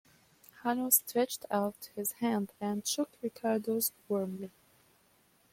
Hanaud stretched out his hand and shook Ricardo's warmly.